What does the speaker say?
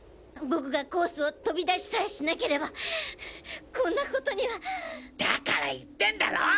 僕がコースを飛び出しさえしなければこんなことには。だから言ってんだろ！